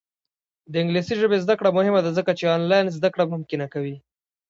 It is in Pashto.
د انګلیسي ژبې زده کړه مهمه ده ځکه چې آنلاین زدکړه ممکنه کوي.